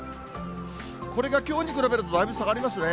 これがきょうに比べるとだいぶ下がりますね。